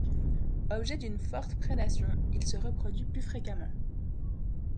Objet d'une forte prédation, il se reproduit plus fréquemment.